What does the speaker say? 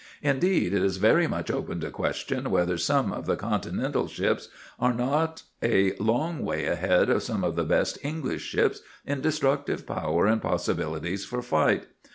Indeed, it is very much open to question whether some of the Continental ships are not a long way ahead of some of the best English ships in destructive power and possibilities for fight.